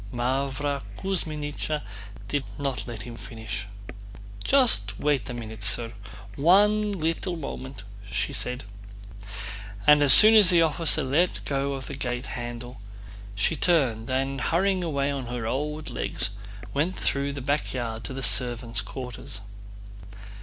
Mávra Kuzmínichna did not let him finish. "Just wait a minute, sir. One little moment," said she. And as soon as the officer let go of the gate handle she turned and, hurrying away on her old legs, went through the back yard to the servants' quarters.